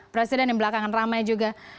presiden yang belakangan ramai juga